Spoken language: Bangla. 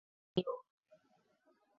সময়মতো শোধ করে দিও।